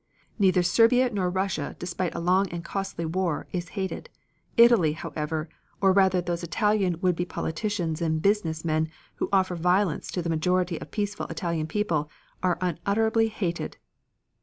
Neither Serbia nor Russia, despite a long and costly war, is hated. Italy, however, or rather those Italian would be politicians and business men who offer violence to the majority of peaceful Italian people, are unutterably hated."